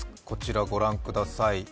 こちらご覧ください。